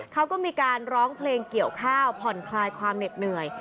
เขาก็มีการร้องเพลงเกี่ยวข้าวผ่อนคลายความเหน็ดเหนื่อย